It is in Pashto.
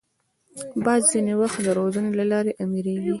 باز ځینې وخت د روزنې له لارې رامېږي